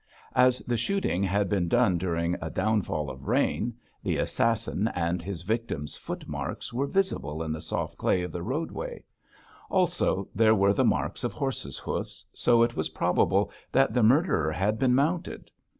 As the shooting had been done during a downfall of rain, the assassin's and his victim's footmarks were visible in the soft clay of the roadway; also there were the marks of horses' hoofs, so it was probable that the murderer had been mounted.